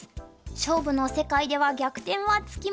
勝負の世界では逆転はつきもの。